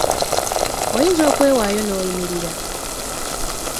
Oyinza okwewaayo n‘oyimirira?